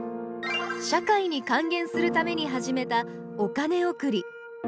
社会に還元するために始めたお金贈り。